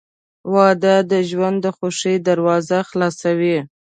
• واده د ژوند د خوښۍ دروازه خلاصوي.